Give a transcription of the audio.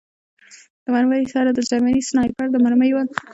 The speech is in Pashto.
د مرمۍ سر د جرمني سنایپر د مرمۍ و